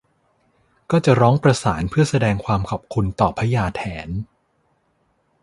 ก็จะร้องประสานเพื่อแสดงความขอบคุณต่อพญาแถน